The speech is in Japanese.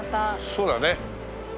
そうだね。